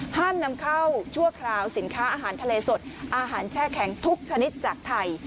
ห้ามนำเข้าชั่วคราวสินค้าอาหารทะเลสดอาหารแช่แข็งทุกชนิดจากไทย